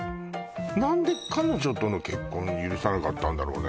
何で彼女との結婚許さなかったんだろうね